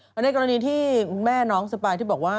แล้วในกรณีที่คุณแม่น้องสปายที่บอกว่า